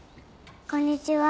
こんにちは。